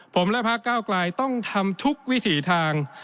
ผมและพระเก้าไกลต้องทำทุกวิถีทาง